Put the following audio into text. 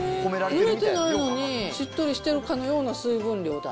ないのに、しっとりしてるかのような水分量だ。